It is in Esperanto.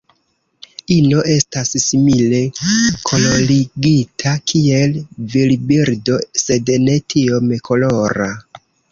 Ino estas simile kolorigita kiel virbirdo, sed ne tiom kolora.